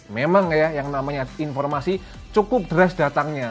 memang ya yang namanya informasi cukup deras datangnya